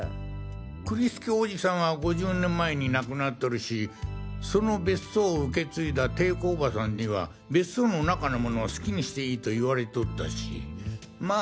栗介伯父さんは５０年前に亡くなっとるしその別荘を受け継いだ定子伯母さんには別荘の中の物を好きにしていいと言われとったしまあ